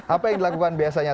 apa yang dilakukan biasanya